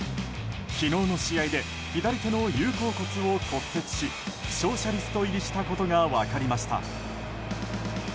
昨日の試合で左手の有鉤骨を骨折し負傷者リスト入りしたことが分かりました。